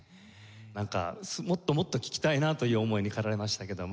なんかもっともっと聴きたいなという思いに駆られましたけども。